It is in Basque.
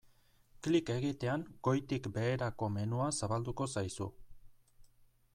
Klik egitean goitik-beherako menua zabalduko zaizu.